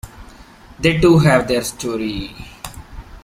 They too have their story.